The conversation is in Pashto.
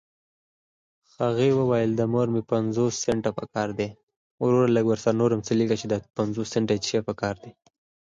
هغې وويل د مور مې پنځوس سنټه پهکار دي.